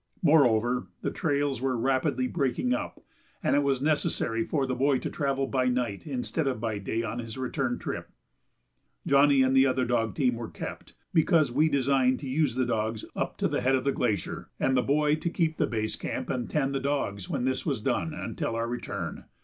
Moreover, the trails were rapidly breaking up, and it was necessary for the boy to travel by night instead of by day on his return trip. Johnny and the other dog team we kept, because we designed to use the dogs up to the head of the glacier, and the boy to keep the base camp and tend the dogs, when this was done, until our return.